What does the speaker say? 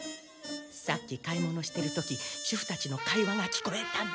さっき買い物してる時主婦たちの会話が聞こえたの。